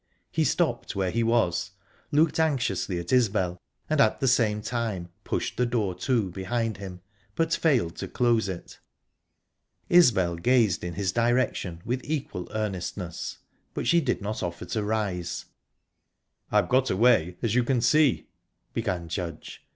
He stopped where he was, looked anxiously at Isbel and at the same time pushed the door to, behind him, but failed to close it. Isbel gazed in his direction with equal earnestness, but she did not offer to rise. "I've got away, as you can see," began Judge.